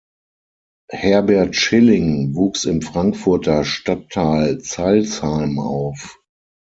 Herbert Schilling wuchs im Frankfurter Stadtteil Zeilsheim auf.